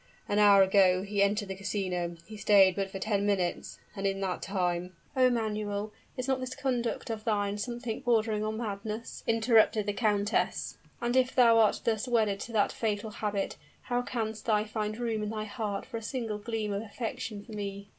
An hour ago he entered the casino; he stayed but for ten minutes and in that time " "Oh! Manuel, is not this conduct of thine something bordering on madness?" interrupted the countess. "And if thou art thus wedded to that fatal habit, how canst thou find room in thy heart for a single gleam of affection for me?"